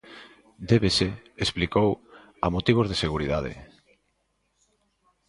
Débese, explicou, a motivos de seguridade.